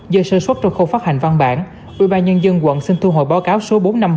do sơ xuất trong khâu phát hành văn bản ủy ban nhân dân quận xin thu hồi báo cáo số bốn trăm năm mươi bốn